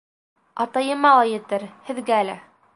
Атайыма ла етер, һеҙгә лә...